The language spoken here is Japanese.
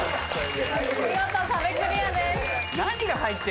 見事壁クリアです。